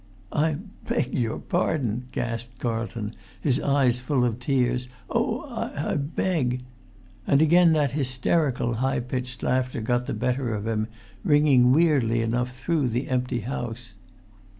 "I beg your pardon," gasped Carlton, his eyes full of tears; "oh, I beg——" And again that hysterical, high pitched laughter got the better of him, ringing weirdly enough through the empty house.